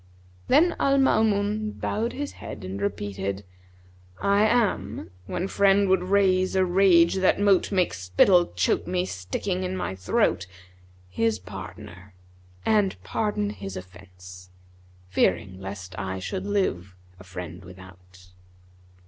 Then Al Maamun bowed his head and repeated, 'I am (when friend would raise a rage that mote * Make spittle choke me, sticking in my throat) His pardoner, and pardon his offense, * Fearing lest I should live a friend without.'